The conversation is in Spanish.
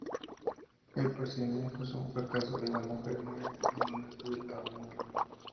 El procedimiento es un fracaso y la mujer muere en una cruel agonía.